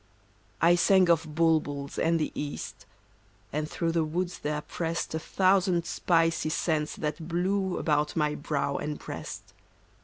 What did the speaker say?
I sang of bulbuls and the East — And through the woods there pressed A thousand spicy scents that blew About my brow and breast.